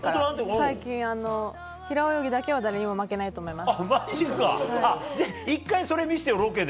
最近、平泳ぎだけは誰にも負けないと思います。